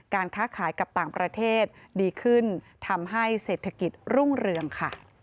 ค้าขายกับต่างประเทศดีขึ้นทำให้เศรษฐกิจรุ่งเรืองค่ะ